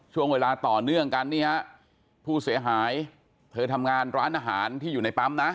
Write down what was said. ช่วงเวลาต่อเนื่องกันนี่ฮะผู้เสียหายเธอทำงานร้านอาหารที่อยู่ในปั๊มนะ